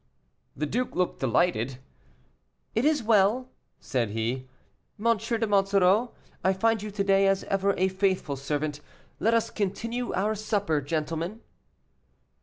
The duke looked delighted. "It is well," said he; "M. de Monsoreau, I find you to day, as ever, a faithful servant; let us continue our supper, gentlemen."